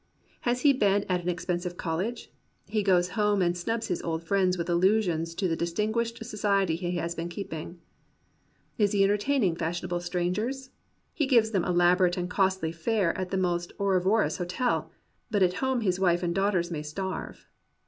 Has he been at an expensive college? He goes home and snubs his old friends with allusions to the distinguished society he has been keeping. Is he entertaining fashionable strangers? He gives them elaborate and costly fare at the most aurivo rous hotel, but at home his wife and daughters may starve.